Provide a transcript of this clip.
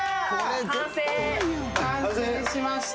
完成完成しました